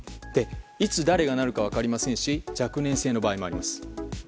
いつ誰がなるのか分かりませんし若年性の場合もあります。